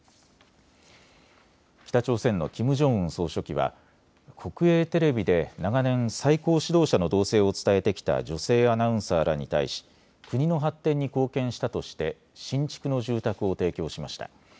北朝鮮のキム・ジョンウン総書記は国営テレビで長年、最高指導者の動静を伝えてきた女性アナウンサーらに対し国の発展に貢献したとして新築の住宅を提供しました。